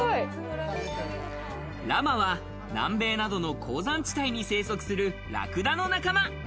ラマは南米などの高山地帯に生息するラクダの仲間。